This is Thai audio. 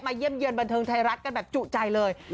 เยี่ยมเยือนบันเทิงไทยรัฐกันแบบจุใจเลย